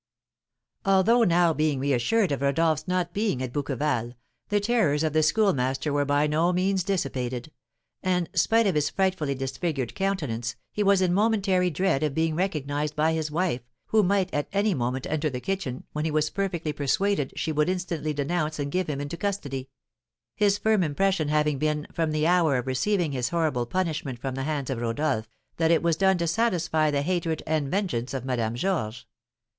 Although now being reassured of Rodolph's not being at Bouqueval, the terrors of the Schoolmaster were by no means dissipated; and, spite of his frightfully disfigured countenance, he was in momentary dread of being recognized by his wife, who might at any moment enter the kitchen, when he was perfectly persuaded she would instantly denounce and give him into custody; his firm impression having been, from the hour of receiving his horrible punishment from the hands of Rodolph, that it was done to satisfy the hatred and vengeance of Madame Georges.